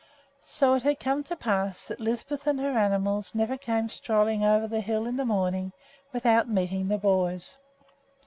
So it had come to pass that Lisbeth and her animals never came strolling over the hill in the morning without meeting the boys.